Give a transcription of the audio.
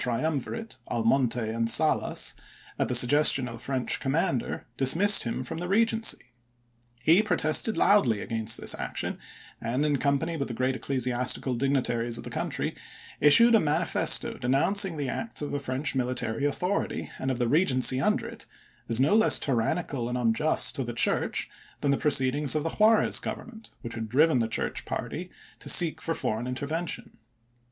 triumvirate, Almonte and Salas, at the suggestion of the French commander, dismissed him from the Regency. He protested loudly against this action, and, in company with the great ecclesiastical digni taries of the country, issued a manifesto denouncing the acts of the French military authority, and of the Eegency under it, as no less tyrannical and unjust to the Church than the proceedings of the Juarez Government, which had driven the Church party to seek for foreign intervention.